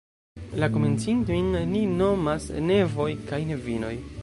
La komencintojn ni nomas "nevoj" kaj "nevinoj".